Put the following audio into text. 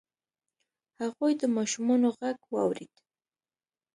هغوی د ماشومانو غږ واورید.